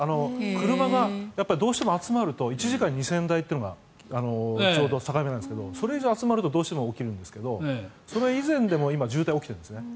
車が集まると１時間に２０００台というのがちょうど境目なんですがそれ以上集まるとどうしても起きるんですけどそれ以前でも今、渋滞が起きてるんですね。